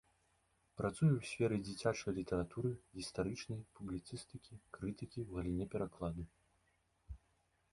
Працуе ў сферы дзіцячай літаратуры, гістарычнай, публіцыстыкі, крытыкі, у галіне перакладу.